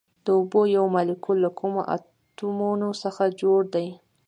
د اوبو یو مالیکول له کومو اتومونو څخه جوړ دی